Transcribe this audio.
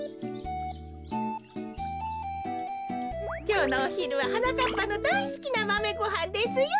きょうのおひるははなかっぱのだいすきなマメごはんですよ。